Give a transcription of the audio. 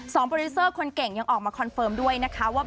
โปรดิวเซอร์คนเก่งยังออกมาคอนเฟิร์มด้วยนะคะว่า